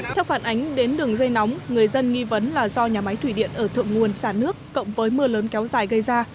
theo phản ánh đến đường dây nóng người dân nghi vấn là do nhà máy thủy điện ở thượng nguồn xả nước cộng với mưa lớn kéo dài gây ra